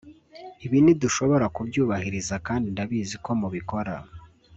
Ibi nidushobora kubyubahiriza kandi ndabizi ko mubikora